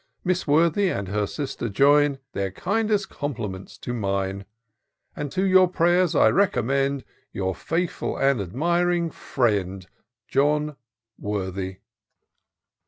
Miss Worthy and her sister join Their kindest compliments to mine ; And to your prayers I recommend Your faithful and admiring jfriend, Jonathan Worthy."